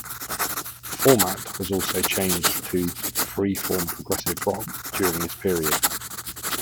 The format was also changed to "free-form progressive rock" during this period.